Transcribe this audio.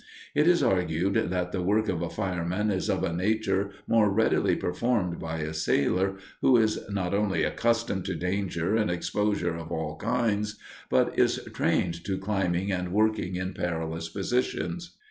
It is argued that the work of a fireman is of a nature more readily performed by a sailor, who is not only accustomed to danger and exposure of all kinds, but is trained to climbing and working in perilous positions.